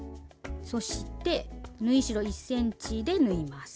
そして縫い代１ｃｍで縫います。